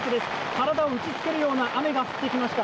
体を打ち付けるような雨が降ってきました。